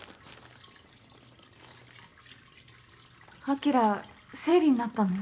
晶生理になったの？